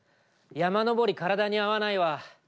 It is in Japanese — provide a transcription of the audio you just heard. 山登り体に合わないわ。